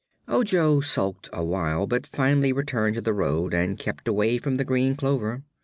Ojo sulked a while, but finally returned to the road and kept away from the green clover.